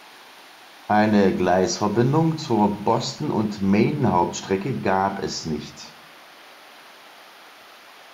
Eine Gleisverbindung zur Boston&Maine-Hauptstrecke gab es nicht.